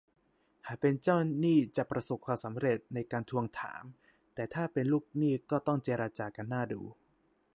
หากเป็นเจ้าหนี้จะประสบความสำเร็จในการทวงถาม แต่ถ้าเป็นลูกหนี้ก็ต้องเจรจากันน่าดู